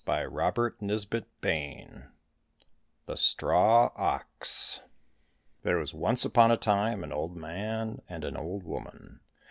135 THE STRAW OX THE STRAW OX THERE was once upon a time an old man and an old woman.